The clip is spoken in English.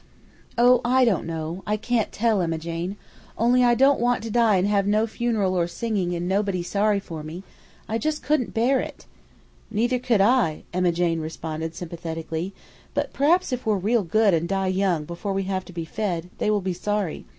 "Oh, I don't know, I can't tell, Emma Jane! Only I don't want to die and have no funeral or singing and nobody sorry for me! I just couldn't bear it!" "Neither could I," Emma Jane responded sympathetically; "but p'r'aps if we're real good and die young before we have to be fed, they will be sorry.